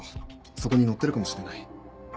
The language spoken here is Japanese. そこに載ってるかもしれない。